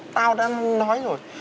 tao đã nói rồi